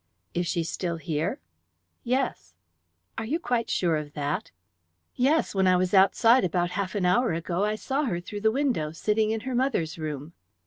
"Is she still here?" "Yes." "Are you quite sure of that?" "Yes, when I was outside about half an hour ago, I saw her through the window, sitting in her mother's room."